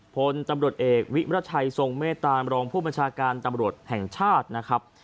พลตำรวจเอกวิรัชัยทรงเมตตามรองผู้บัญชาการตำรวจแห่งชาตินะครับ